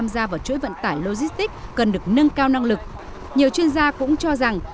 được nâng cao năng lực nhiều chuyên gia cũng cho rằng